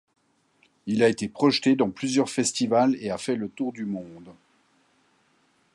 Il a été projeté dans plusieurs festivals et a fait le tour du monde.